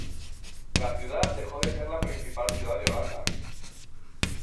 La ciudad dejó de ser la principal ciudad de Holanda.